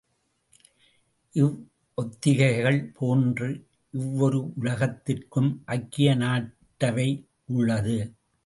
இவ்வொத்திகைகள் போன்றே இவ்வொரு உலகத்திற்கும் ஐக்கிய நாட்டவை உள்ளது.